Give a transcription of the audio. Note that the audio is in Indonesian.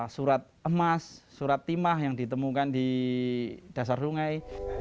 surat emas surat timah yang ditemukan di dasar sungai